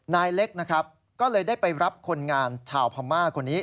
นายเล็กนะครับก็เลยได้ไปรับคนงานชาวพม่าคนนี้